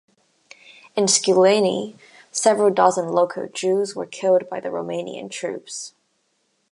In Sculeni, several dozen local Jews were killed by the Romanian troops.